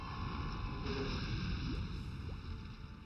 গভীর করে প্লাস্টার করলে এটা হয়তো টিকবে।